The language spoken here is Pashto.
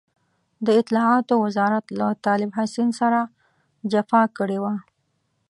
د اطلاعاتو وزارت له طالب حسين سره جفا کړې وه.